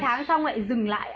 trong ba tháng xong lại dừng lại ạ